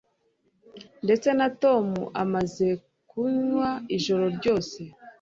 Ndetse na Tom amaze kunywa ijoro ryose